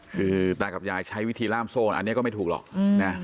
คือตากับยายใช้วิธีล่ามโซ่อันนี้ก็ไม่ถูกหรอกนะ